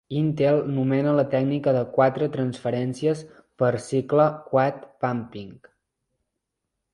Intel nomena a la tècnica de quatre transferències per cicle "Quad Pumping".